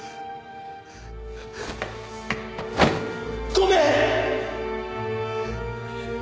ごめん！